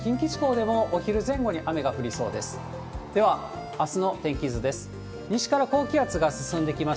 では、あすの天気図です。